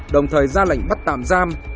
đồng thời ra lệnh bắt tạm giam